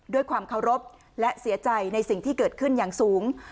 ด้วยความเคารพและเสียใจในสิ่งที่เกิดขึ้นอย่างสูง